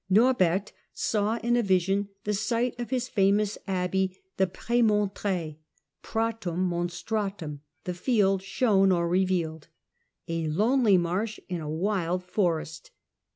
Norbert saw in a vision the site of his famous abbey, the " pre montre " (pratum monstratum : the field' shown or revealed), a lonely marsh in a wild St Norbert forcst.